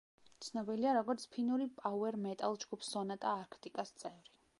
ცნობილია როგორც ფინური პაუერ მეტალ ჯგუფ სონატა არქტიკას წევრი.